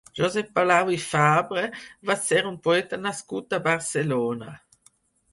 Josep Palau i Fabre va ser un poeta nascut a Barcelona.